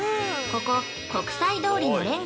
◆ここ国際通りのれん